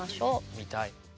見たい！